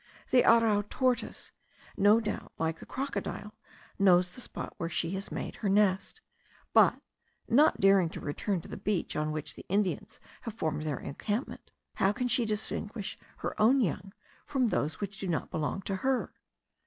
The arrau tortoise, no doubt, like the crocodile, knows the spot where she has made her nest; but, not daring to return to the beach on which the Indians have formed their encampment, how can she distinguish her own young from those which do not belong to her?